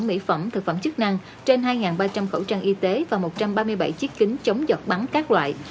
mỹ phẩm thực phẩm chức năng trên hai ba trăm linh khẩu trang y tế và một trăm ba mươi bảy chiếc kính chống giọt bắn các loại